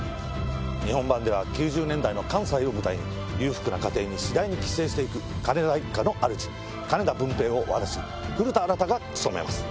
日本版では９０年代の関西を舞台に裕福な家庭に次第に寄生して行く金田一家のあるじ金田文平を私古田新太が務めます。